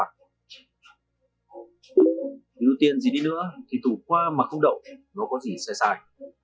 thứ ưu tiên gì đi nữa thì thủ khoa mà không đậu nó có gì sai sai